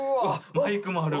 マイクもある。